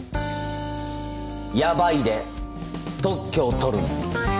「ヤバい」で特許を取るんです。